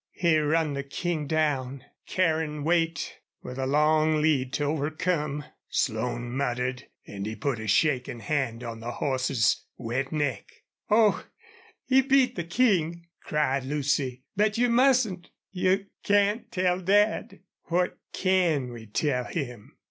"He run the King down carryin' weight with a long lead to overcome!" Slone muttered, and he put a shaking hand on the horse's wet neck. "Oh, he beat the King!" cried Lucy. "But you mustn't you CAN'T tell Dad!" "What CAN we tell him?"